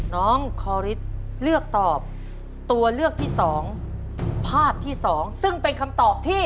น้องคอริสเลือกตอบตัวเลือกที่สองภาพที่สองซึ่งเป็นคำตอบที่